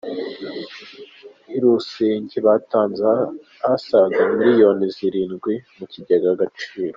I Rusenge batanze asaga miliyoni zirindwi mukigega agaciro